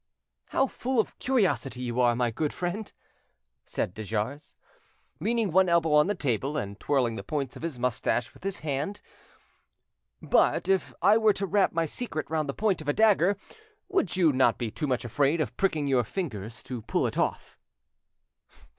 "How full of curiosity you are, my good friend!" said de Jars, leaning one elbow on the table, and twirling the points of his moustache with his hand; "but if I were to wrap my secret round the point of a dagger would you not be too much afraid of pricking your fingers to pull it off?"